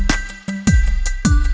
gak ada yang nungguin